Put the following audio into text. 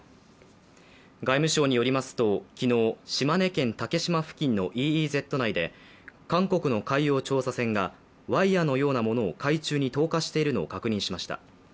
外務省によりますと昨日、島根県竹島付近のＥＥＺ内で、韓国の海洋調査船がワイヤーのようなものを海中に投下しているのを確認しました。